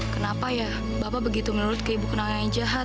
kenapa ya bapak begitu menurut ke ibu kenalnya yang jahat